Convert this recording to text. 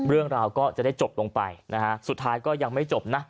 เรื่องราวก็จะได้จบลงไปนะฮะสุดท้ายก็ยังไม่จบนะ